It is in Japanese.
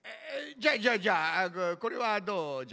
じゃあじゃあじゃあこれはどうじゃ？